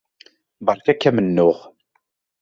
Beṛka-k amennuɣ.